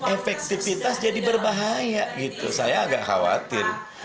efektivitas jadi berbahaya gitu saya agak khawatir